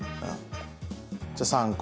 じゃあ３個。